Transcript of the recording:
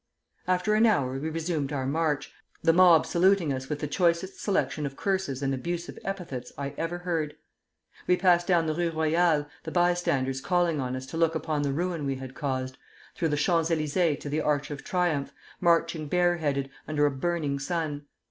"After an hour we resumed our march, the mob saluting us with the choicest selection of curses and abusive epithets I ever heard. We passed down the Rue Royale, the bystanders calling on us to look upon the ruin we had caused, through the Champs Élysées to the Arch of Triumph, marching bare headed, under a burning sun.